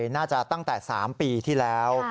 น่าจะตั้งแต่๓ปีที่แล้ว